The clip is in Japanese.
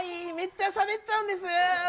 めっちゃしゃべっちゃうんです。